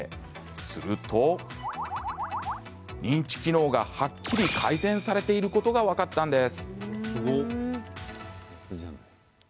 すると認知機能がはっきり改善されていることが分かったんです。